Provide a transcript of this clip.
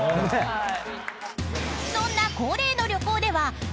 はい」